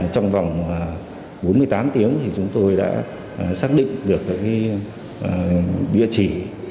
trong vòng bốn mươi tám tiếng thì chúng tôi đã xác định được địa chỉ